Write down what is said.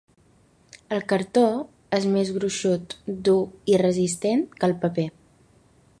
El cartó és més gruixut, dur i resistent que el paper.